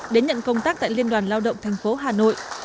đến nhận công tác tại liên đoàn lao động tp hà nội